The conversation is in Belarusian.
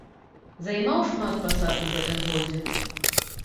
Займаў шмат пасад у гэтым годзе.